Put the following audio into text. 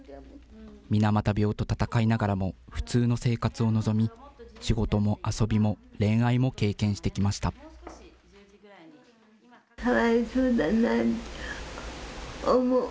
水俣病と闘いながらも、普通の生活を望み、仕事も遊びも恋愛も経験してきました。